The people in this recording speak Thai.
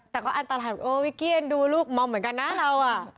แต่ก็อันตรายโอ้วิกกี้เอ็นดูลูกมอมเหมือนกันนะเราอ่ะ